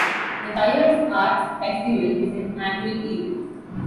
The Tyers Arts Festival is an annual event.